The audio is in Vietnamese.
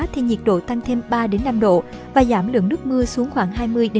thì nhiệt độ tăng thêm ba năm độ và giảm lượng nước mưa xuống khoảng hai mươi năm mươi